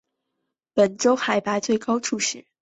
本州海拔最高处是。